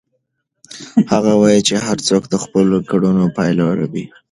هغه وایي چې هر څوک د خپلو کړنو پایله رېبي.